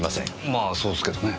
まあそうですけどね。